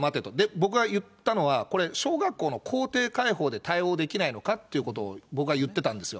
僕が言ったのは、これ、小学校の校庭開放で対応できないのかということを僕は言ってたんですよ。